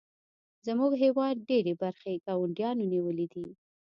زموږ د هیواد ډیرې برخې ګاونډیانو نیولې دي